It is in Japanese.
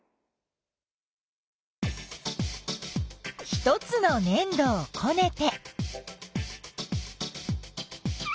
１つのねん土をこねて。